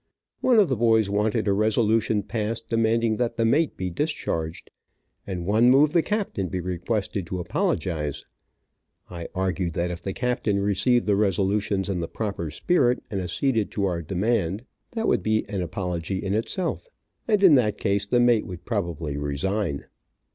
One of the boys wanted a resolution passed demanding that the mate be discharged, and one moved the captain be requested to apologize. I argued that if the captain received the resolutions in the proper spirit, and acceded to our demand, that would be an apology in itself, and in that case the mate would probably resign.